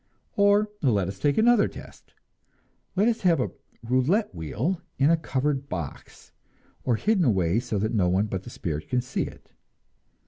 Or, let us take another test. Let us have a roulette wheel in a covered box, or hidden away so that no one but the spirit can see it.